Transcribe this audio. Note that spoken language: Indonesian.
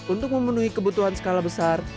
untuk memenuhi kebutuhan skala besar